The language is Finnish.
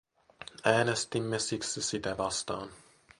Äänestimme siksi sitä vastaan.